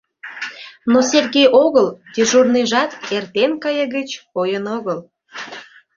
Но Сергей огыл, дежурныйжат эртен кайыгыч койын огыл.